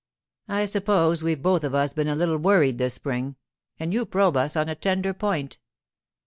I suppose we've both of us been a little worried this spring, and you probe us on a tender point.